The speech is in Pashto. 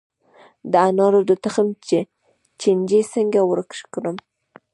د انارو د تخم چینجی څنګه ورک کړم؟